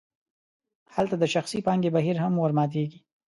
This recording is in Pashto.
هلته د شخصي پانګې بهیر هم ورماتیږي.